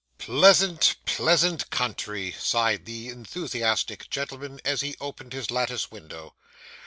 'Pleasant, pleasant country,' sighed the enthusiastic gentleman, as he opened his lattice window.